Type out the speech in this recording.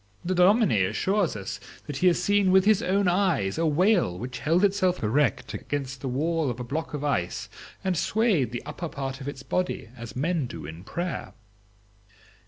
The dominie assures us that he has seen with his own eyes a whale which held itself erect against the wall of a block of ice, and swayed the upper part of its body as men do in prayer."